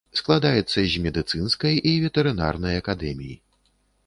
Складаецца з медыцынскай і ветэрынарнай акадэмій.